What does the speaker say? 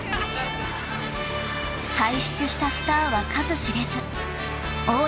［輩出したスターは数知れず］